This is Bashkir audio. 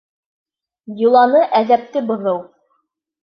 Йоланы, әҙәпте боҙоу!